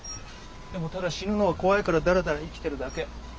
でもただ死ぬのが怖いからだらだら生きてるだけ。